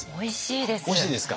おいしいです。